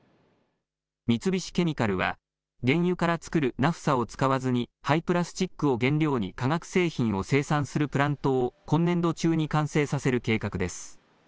三菱ケミカルは原油から作るナフサを使わずに廃プラスチックを原料に化学製品を生産するプラントを今年度中に完成させる計画です。